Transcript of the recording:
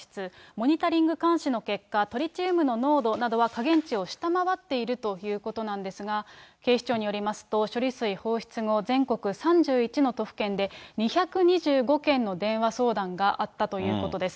モニタリング監視の結果、トリチウムの濃度などは下限値を下回っているということなんですが、警視庁によりますと、処理水放出後、全国３１の都府県で、２２５件の電話相談があったということです。